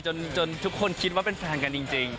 ทุกคนคิดว่าเป็นแฟนกันจริง